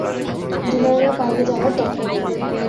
ডিনারে বাইরে যাওয়ার দরকার নেই।